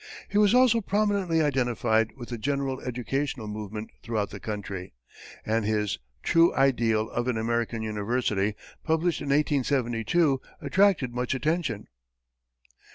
He was also prominently identified with the general educational movement throughout the country, and his "True Ideal of an American University," published in 1872, attracted much attention.